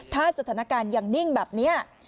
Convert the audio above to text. ถ้าสถานการณ์ยังนิ่งแบบนี้